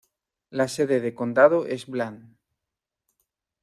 La sede de condado es Bland.